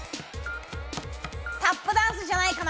タップダンスじゃないかな？